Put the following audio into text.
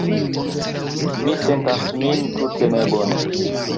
Mi sentas min tute nebone.